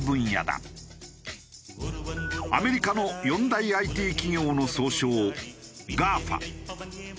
アメリカの４大ＩＴ企業の総称ＧＡＦＡ。